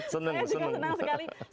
saya juga senang sekali